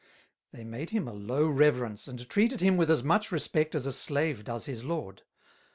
They made him a low Reverence, and treated him with as much respect as a Slave does his Lord.